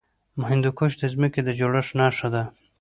هندوکش د ځمکې د جوړښت نښه ده.